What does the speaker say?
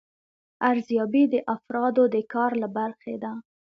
ارزیابي د افرادو د کار له برخې ده.